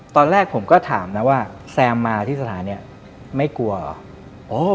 ตอนแรกผมก็ถามนะว่าแซมมาที่สถานีไม่กลัวเหรอ